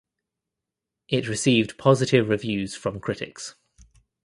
It received positive reviews from critics.